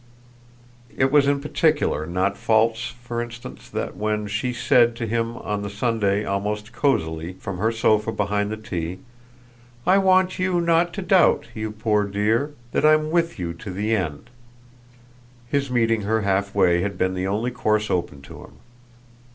It was in particular not false for instance that when she had said to him, on the Sunday, almost cosily, from her sofa behind the tea, "I want you not to doubt, you poor dear, that I'm WITH you to the end!" his meeting her halfway had been the only course open to him.